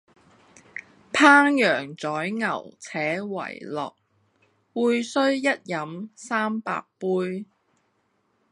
烹羊宰牛且為樂，會須一飲三百杯！